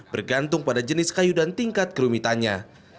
bergantung pada jenis kayu dan tingkat kerumitannya